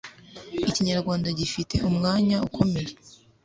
Ikinyarwanda gifite umwanya ukomeye